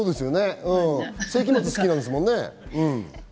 お好きなんですもんね？